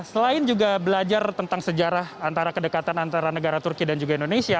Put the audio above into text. selain juga belajar tentang sejarah antara kedekatan antara negara turki dan juga indonesia